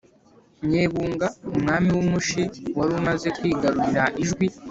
nyebunga, umwami w'umushi wari umaze kwigarurira ijwi.